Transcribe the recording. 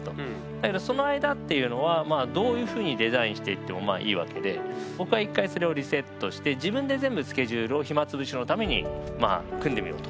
だけどその間っていうのはどういうふうにデザインしていってもまあいいわけで僕は１回それをリセットして自分で全部スケジュールを暇つぶしのためにまあ組んでみようと。